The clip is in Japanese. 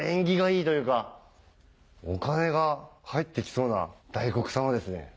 お金が入って来そうな大黒様ですね。